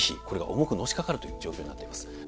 これが重くのしかかるという状況になっています。